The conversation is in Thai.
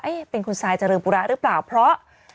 เป็นคุณซายเจริญปุระหรือเปล่าเพราะ